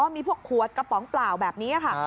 มีพวกขวดกระป๋องเปล่าแบบนี้ค่ะ